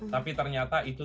tapi ternyata itu